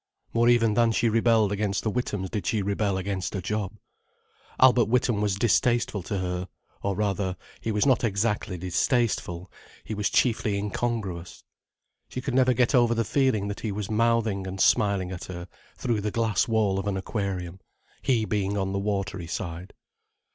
More even than she rebelled against the Withams did she rebel against a job. Albert Witham was distasteful to her—or rather, he was not exactly distasteful, he was chiefly incongruous. She could never get over the feeling that he was mouthing and smiling at her through the glass wall of an aquarium, he being on the watery side.